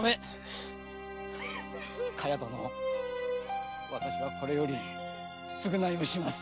かや殿私はこれより償いをします。